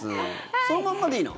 そのまんまでいいの？